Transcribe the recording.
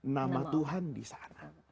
nama tuhan disana